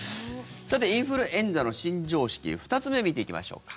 インフルエンザの新常識、２つ目見ていきましょうか。